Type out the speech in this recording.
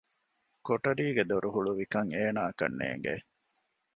ކޮޓަރީގެ ދޮރުހުޅުވިކަން އޭނާއަކަށް ނޭގެ